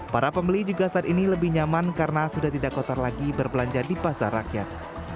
para pembeli juga saat ini lebih nyaman karena sudah tidak kotor lagi berbelanja di pasar rakyat